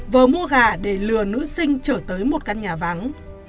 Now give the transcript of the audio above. vờ mua gà để lừa nữ sinh trở tới một căn nhà vắng